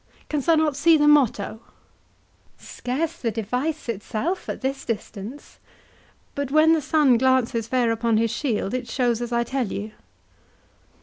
Canst thou not see the motto?" "Scarce the device itself at this distance," replied Rebecca; "but when the sun glances fair upon his shield, it shows as I tell you."